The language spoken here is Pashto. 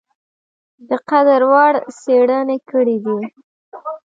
د قدر وړ څېړني کړي دي ۔